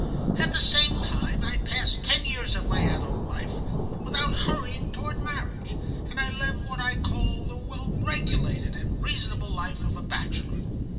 "At the same time, I passed ten years of my adult life without hurrying toward marriage, and I led what I called the well regulated and reasonable life of a bachelor.